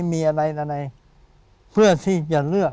มีอะไรอะไรเพื่อที่จะเลือก